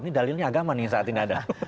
ini dalilnya agama nih saat ini ada